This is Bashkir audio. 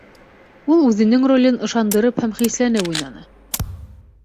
Ул үҙенең ролен ышандырып һәм хисләнеп уйнаны